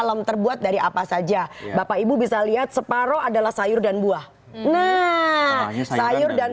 alam terbuat dari apa saja bapak ibu bisa lihat separoh adalah sayur dan buah nah sayur dan